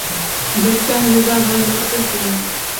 Bertan Liga bat lortu zuen.